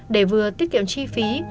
để vừa tiết kiệm chi phí